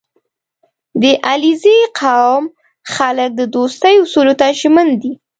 • د علیزي قوم خلک د دوستۍ اصولو ته ژمن دي.